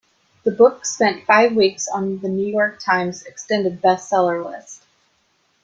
The book spent five weeks on "The New York Times" extended best-seller list.